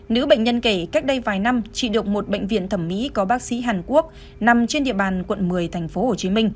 nữ bệnh nhân kể cách đây vài năm chị được một bệnh viện thẩm mỹ có bác sĩ hàn quốc nằm trên địa bàn quận một mươi tp hcm